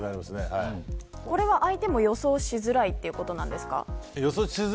これは相手も予想しづらいということなんですか。